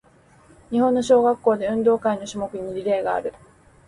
日本の小学校で、運動会の種目にリレーがある。